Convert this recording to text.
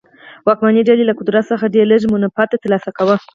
واکمنې ډلې له قدرت څخه ډېر لږ منفعت ترلاسه کاوه.